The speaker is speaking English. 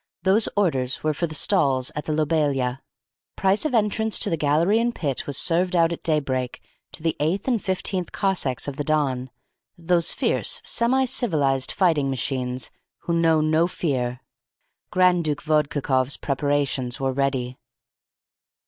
Those orders were for the stalls at the Lobelia. Price of entrance to the gallery and pit was served out at daybreak to the Eighth and Fifteenth Cossacks of the Don, those fierce, semi civilised fighting machines who know no fear. Grand Duke Vodkakoff's preparations were ready.